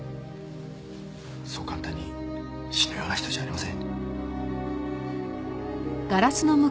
そう簡単に死ぬような人じゃありません。